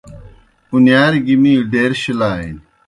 اُنِیار گیْ می ڈیر شِلانیْ۔